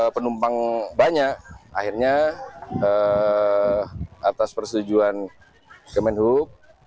penumpang banyak akhirnya atas persetujuan kementerian perhubungan